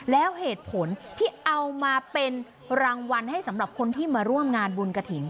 แล้วเหตุผลที่เอามาเป็นรางวัลให้สำหรับคนที่มาร่วมงานบุญกระถิ่น